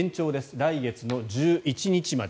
来月の１１日まで。